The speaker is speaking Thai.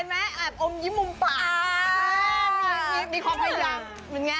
เห็นไหมอ่ะอมยิ้มมุมปากค่ะอ่าามีความพังสัยดีกว่าเป็นไง